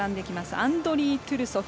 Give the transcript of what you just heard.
アンドリー・トゥルソフ。